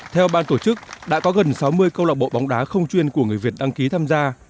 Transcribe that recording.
theo ban tổ chức đã có gần sáu mươi câu lạc bộ bóng đá không chuyên của người việt đăng ký tham gia